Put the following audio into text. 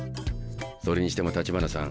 それにしても橘さん